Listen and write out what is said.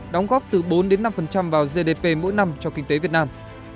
đóng góp từ bốn năm vào gdp mỗi năm cho kinh tế việt nam